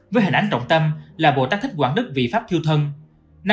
với hình ảnh trọng tâm là bồ tát thích quảng đức vì pháp thiêu thân